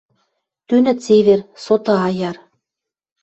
Тӱнӹ цевер. Соты аяр